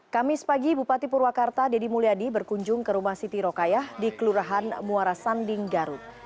kamis pagi bupati purwakarta deddy mulyadi berkunjung ke rumah siti rokayah di kelurahan muara sanding garut